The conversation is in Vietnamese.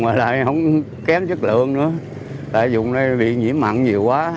mà lại không kém chất lượng nữa lại dùng đây bị nhiễm mặn nhiều quá